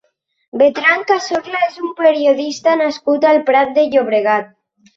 Bertran Cazorla és un periodista nascut al Prat de Llobregat.